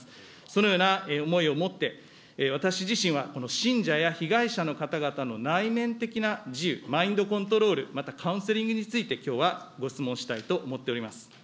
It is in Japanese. そのような思いを持って、私自身は信者や被害者の方々の内面的な自由、マインドコントロール、またカウンセリングについて、きょうはご質問したいと思っております。